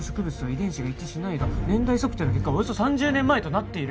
「遺伝子が一致しないが年代測定の結果」「およそ３０年前となっている」